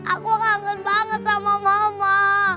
aku kangen banget sama mama